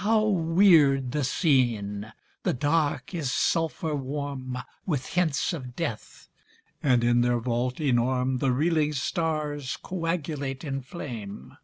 How weird the scene! The Dark is sulphur warm With hints of death; and in their vault enorme The reeling stars coagulate in flame.